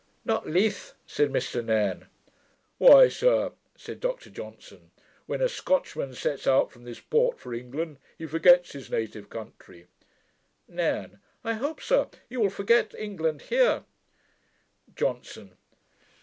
'Not LETHE,' said Mr Nairne. 'Why, sir,' said Dr Johnson, 'when a Scotchman sets out from this port for England, he forgets his native country.' NAIRNE. 'I hope, sir, you will forget England here.' JOHNSON.